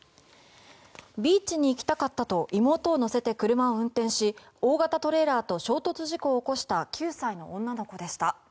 ビーチに行きたかったと妹を乗せて車を運転し、大型トレーラーと衝突事故を起こした９歳の女の子でした。